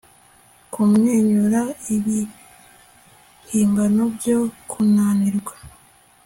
Kumwenyura ibihimbano byo kunanirwa